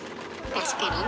確かにね。